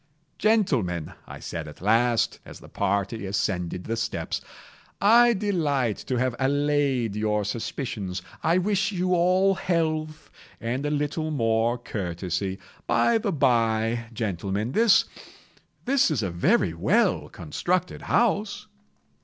"Gentlemen," I said at last, as the party ascended the steps, "I delight to have allayed your suspicions. I wish you all health, and a little more courtesy. By the bye, gentlemen, this—this is a very well constructed house."